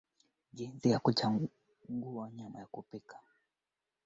Rais Samia amemueleza Dokta Ghanem kuwa kwa sasa Serikali inapitia sera zake za kodi